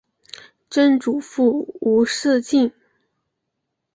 曾祖父吴仕敬。